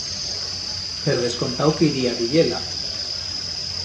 Per descontau que iría a veyer-la.